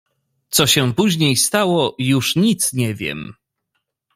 "Co się później stało, już nic nie wiem."